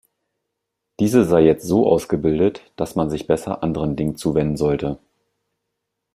Diese sei jetzt so ausgebildet, dass man sich besser anderen Dingen zuwenden sollte.